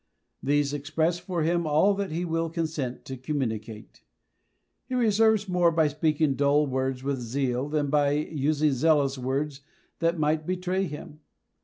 These express for him all that he will consent to communicate. He reserves more by speaking dull words with zeal than by using zealous words that might betray him.